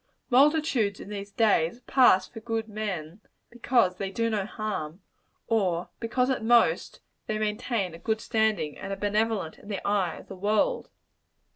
Multitudes, in these days, pass for good men because they do no harm; or because, at most, they maintain a good standing, and are benevolent in the eye of the world.